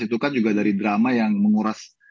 itu kan juga dari drama yang menguras